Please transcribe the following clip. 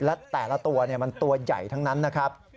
และแต่ละตัวมันตัวใหญ่ทั้งนั้นนะครับ